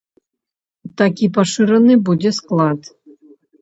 Такі пашыраны будзе склад.